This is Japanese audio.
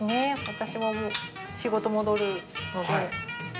私ももう仕事戻るので。